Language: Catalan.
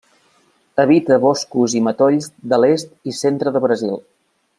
Habita boscos i matolls de l'est i centre de Brasil.